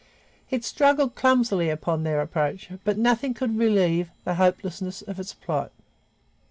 It struggled clumsily upon their approach, but nothing could relieve the hopelessness of its plight.